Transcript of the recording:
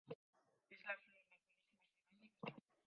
Es la flor nacional de Costa Rica.